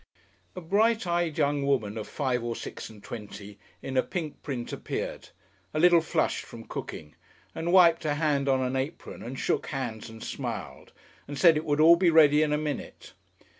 A bright eyed young woman of five or six and twenty in a pink print appeared, a little flushed from cooking, and wiped a hand on an apron and shook hands and smiled, and said it would all be ready in a minute.